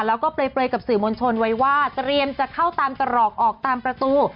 แล้วก็เปลยกับสื่อมวลชนไว้ว่าเตรียมจะเข้าตามตรอกออกตามประตู